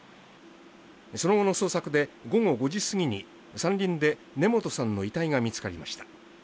その後の捜索で午後５時過ぎに山林で根本さんの遺体が見つかりました